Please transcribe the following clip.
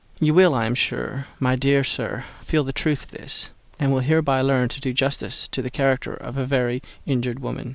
You will, I am sure, my dear Sir, feel the truth of this, and will hereby learn to do justice to the character of a very injured woman.